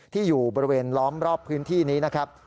ที่อยู่บริเวณล้อมรอบพื้นที่นี้นะครับ